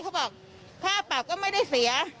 เขาบอกผ้าปากก็ไม่ได้เสีย